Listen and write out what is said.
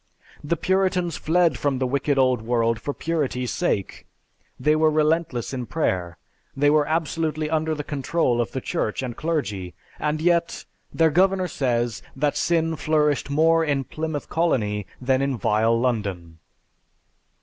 The Puritans fled from the wicked old world for purity's sake, they were relentless in prayer, they were absolutely under the control of the church and clergy, and yet, their Governor says that sin flourished more in Plymouth Colony than in vile London!